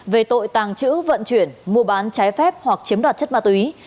về tội tàng trữ vận chuyển mua bán trái phép hoặc chiếm đoạt chất ma túy